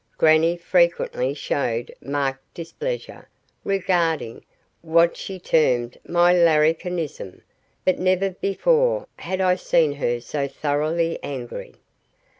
Grannie frequently showed marked displeasure regarding what she termed my larrikinism, but never before had I seen her so thoroughly angry.